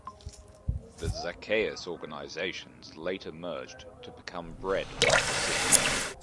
The Zacchaeus organizations later merged to become Bread for the City.